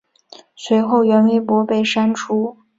随后原微博被删除。